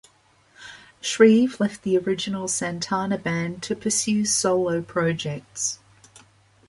Shrieve left the original Santana band to pursue solo projects.